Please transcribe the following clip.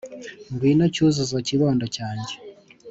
Ngwino Cyuzuzo kibondo cyanjye